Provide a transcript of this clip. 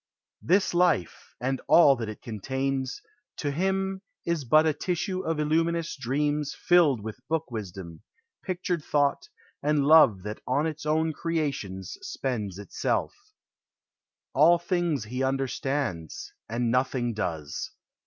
This life, and all that it contains, to him Is but a tissue of illmiiinmis dreainn 360 POEMS OF SENTIMENT. Filled with book wisdom, pictured thought and love That on its own creations spends itself. All things he understands, and nothing does.